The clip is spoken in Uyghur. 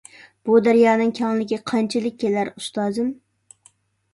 بۇ دەريانىڭ كەڭلىكى قانچىلىك كېلەر، ئۇستازىم؟